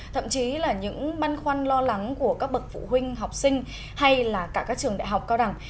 thậm chí là những băn khoăn lo lắng của các bậc phụ huynh học sinh hay là cả các trường đại học cao đẳng